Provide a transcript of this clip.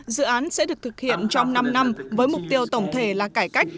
dự án sẽ được thực hiện trong năm năm với mục tiêu tổng thể là cải cách